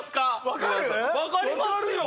分かりますよ！